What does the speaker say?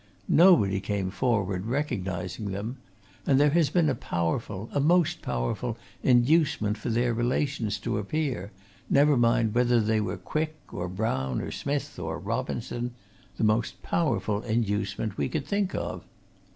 Nobody came forward, recognizing them. And there has been a powerful, a most powerful, inducement for their relations to appear, never mind whether they were Quick, or Brown, or Smith, or Robinson, the most powerful inducement we could think of!"